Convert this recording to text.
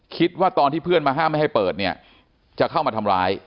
คิดว่าตอนที่เพื่อนมาห้ามไม่ให้เปิดเนี่ยจะเข้ามาทำร้าย